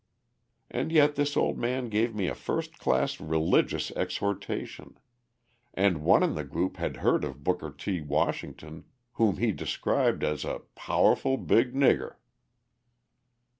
And yet this old man gave me a first class religious exhortation; and one in the group had heard of Booker T. Washington, whom he described as a "pow'ful big nigger."